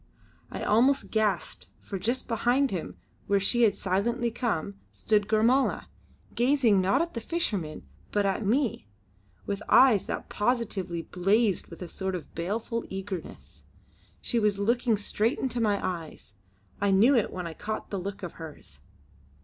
I almost gasped, for just behind him, where she had silently come, stood Gormala, gazing not at the fisherman but at me, with eyes that positively blazed with a sort of baleful eagerness. She was looking straight into my eyes; I knew it when I caught the look of hers.